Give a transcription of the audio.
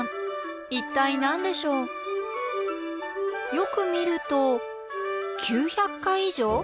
よく見ると九〇〇回以上？